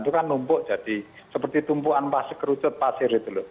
itu kan numpuk jadi seperti tumpuan kerucut pasir itu lho